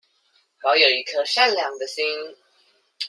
保有一顆善良的心